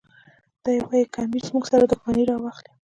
دی وایي که امیر زموږ سره دښمني راواخلي.